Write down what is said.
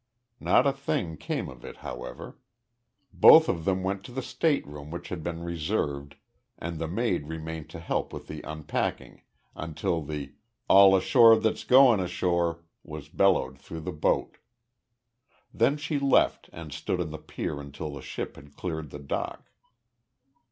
Not a thing came of it, however. Both of them went to the stateroom which had been reserved and the maid remained to help with the unpacking until the "All ashore that 're going ashore" was bellowed through the boat. Then she left and stood on the pier until the ship had cleared the dock.